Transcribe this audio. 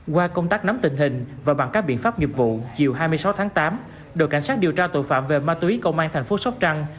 qua công tác nắm tình hình và bằng các biện pháp nghiệp vụ chiều hai mươi sáu tháng tám đội cảnh sát điều tra tội phạm về ma túy công an thành phố sóc trăng